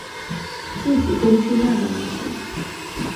自己跟去那怎么行